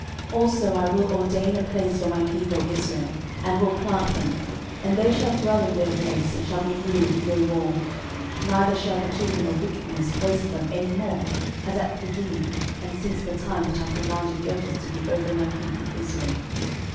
13:017:009 Also I will ordain a place for my people Israel, and will plant them, and they shall dwell in their place, and shall be moved no more; neither shall the children of wickedness waste them any more, as at the beginning, 13:017:010 And since the time that I commanded judges to be over my people Israel.